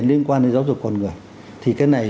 liên quan đến giáo dục con người thì cái này